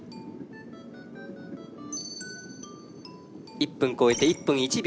１分超えて１分１秒。